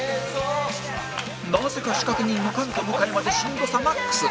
なぜか仕掛け人の菅と向井までしんどさマックス